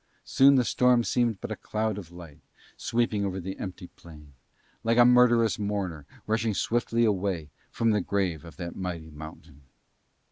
Soon the storm seemed but a cloud of light sweeping over the empty plain, like a murderous mourner rushing swiftly away from the grave of that mighty mountain.